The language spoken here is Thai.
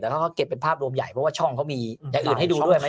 แต่เขาก็เก็บเป็นภาพรวมใหญ่เพราะว่าช่องเขามีอย่างอื่นให้ดูด้วย